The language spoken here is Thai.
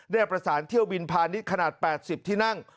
ได้ประสานเที่ยวบินพาณิชย์ขนาด๘๐ที่นั่ง